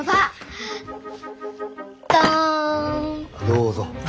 どうぞ。